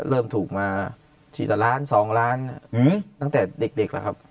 เริ่มถูกมาทีละล้าน๒ล้านตั้งแต่เด็กแล้วครับ